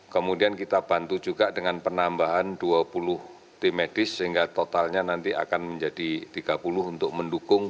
kemudian kita bantu juga dengan penambahan dua puluh tim medis sehingga totalnya nanti akan menjadi tiga puluh untuk mendukung